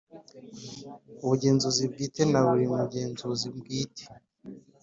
Ubugenzuzi Bwite na buri mugenzuzi bwite